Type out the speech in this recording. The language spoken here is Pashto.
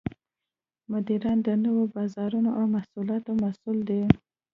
مدیران د نوو بازارونو او محصولاتو مسوول دي.